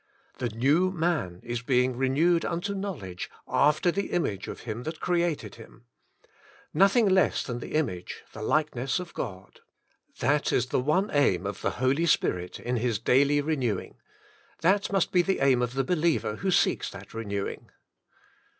The new man is being renewed unto knowledge, after the Image of Him That Created Him Nothing less than the image, the likeness of God. That is the one aim of the Holy Spirit in His daily re newing ; that must be the aim of the believer who seeks that renewing.